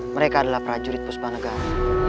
mereka adalah prajurit puspanegara